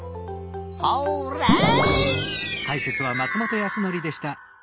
ホーレイ！